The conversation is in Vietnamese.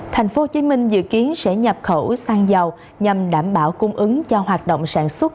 thành phố hồ chí minh dự kiến sẽ nhập khẩu sang dầu nhằm đảm bảo cung ứng cho hoạt động sản xuất